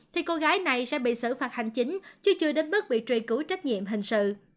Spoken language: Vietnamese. thì cô gái này sẽ bị xử phạt hành chính chứ chưa đến mức bị truy cứu trách nhiệm hình sự